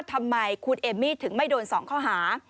ทำไมคุณเอมมี่ถึงไม่โดน๒ข้อหา